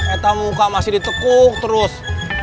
eta muka masih ditekuk terus